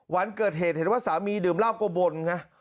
วันเกิดเหตุเห็นว่าสามีดื่มเหล้าก็บ่นไง